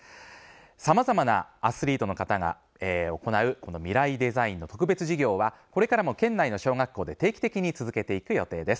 さまざまなアスリートの方が行う「ミライ×デザイン」の特別授業はこれからも県内の小学校で定期的に続けていく予定です。